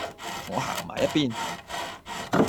同我行埋一便